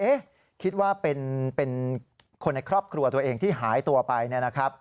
คิดว่าเป็นคนในครอบครัวตัวเองที่หายตัวไปเนี่ยนะครับ